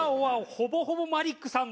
ほぼほぼマリックさんだ。